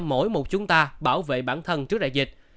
mỗi một chúng ta bảo vệ bản thân trước đại dịch